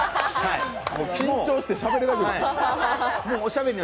緊張してしゃべれなくなっている。